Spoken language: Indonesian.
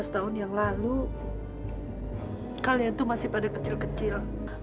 lima belas tahun yang lalu kalian itu masih pada kecil kecil